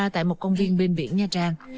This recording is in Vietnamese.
tại một công viên bên biển nha trang